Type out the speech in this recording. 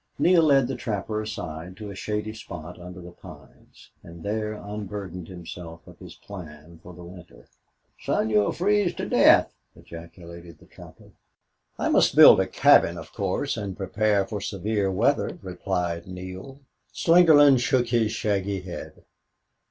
Neale led the trapper aside to a shady spot under the pines and there unburdened himself of his plan for the winter. "Son, you'll freeze to death!" ejaculated the trapper. "I must build a cabin, of course, and prepare for severe weather," replied Neale. Slingerland shook his shaggy head.